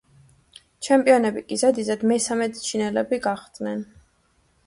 ჩემპიონები კი ზედიზედ მესამედ ჩინელები გახდნენ.